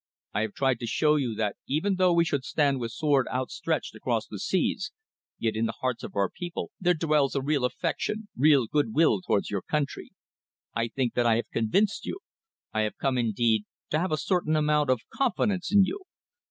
I have tried to show you that even though we should stand with sword outstretched across the seas, yet in the hearts of our people there dwells a real affection, real good will towards your country. I think that I have convinced you. I have come, indeed, to have a certain amount of confidence in you.